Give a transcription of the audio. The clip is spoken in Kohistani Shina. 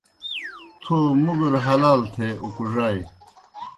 تھو مُگر حلال تھے اُکڙائے۔